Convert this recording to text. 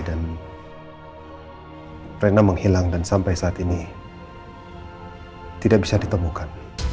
dan rena menghilang dan sampai saat ini tidak bisa ditemukan